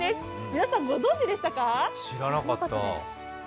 皆さん、ご存じでしたか？